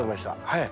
はい。